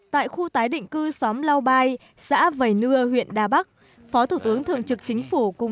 tại khu tái định cư xóm lau bai xã vầy nưa huyện đà bắc phó thủ tướng thường trực chính phủ cùng